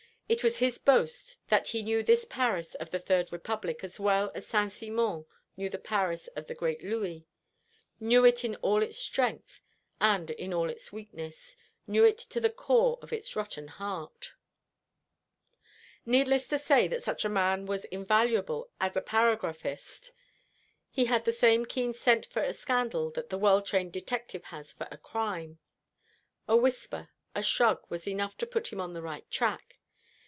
It was his boast that he knew this Paris of the Third Republic as well as Saint Simon knew the Paris of the great Louis; knew it in all its strength; and in all its weakness; knew it to the core of its rotten heart. Needless to say that such a man was invaluable as a paragraphist. He had the same keen scent for a scandal that the well trained detective has for a crime. A whisper, a shrug was enough to put him on the right track.